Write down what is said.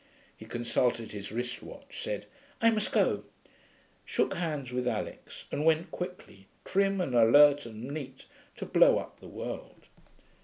He consulted his wrist watch, said, 'I must go,' shook hands with Alix, and went quickly, trim and alert and neat, to blow up the world.